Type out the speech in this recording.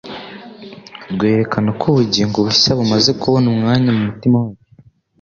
rwerekana ko ubugingo bushya bumaze kubona umwanya mu mutima wacu.